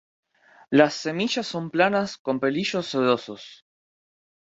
Las semillas son planas con pelillos sedosos.